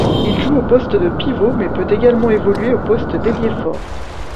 Il joue au poste de pivot mais peut également évoluer au poste d'ailier fort.